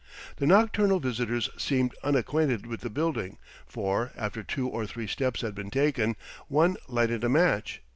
The nocturnal visitors seemed unacquainted with the building, for, after two or three steps had been taken, one lighted a match.